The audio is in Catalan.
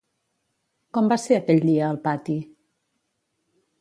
Com va ser aquell dia al pati?